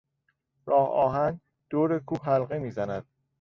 راه آهن دور کوه حلقه میزند.